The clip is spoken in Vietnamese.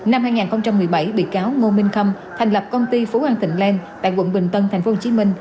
năm hai nghìn một mươi bảy bị cáo ngô minh khâm thành lập công ty phú an thịnh lan tại quận bình tân tp hcm